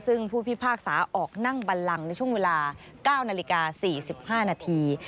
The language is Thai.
ซึ่งผู้พิพากษาออกนั่งบันลังในช่วงเวลา๙นาฬิกา๔๕นาที